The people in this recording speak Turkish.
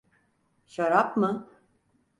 Şarap mı?